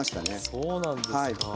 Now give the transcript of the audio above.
そうなんですか。